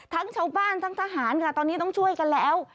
ทั้งชาวบ้านทั้งทหารค่ะตอนนี้ต้องช่วยกันแล้ว